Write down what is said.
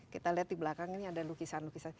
kita lihat di belakang ini ada lukisan lukisan